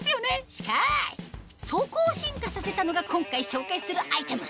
しかしそこを進化させたのが今回紹介するアイテム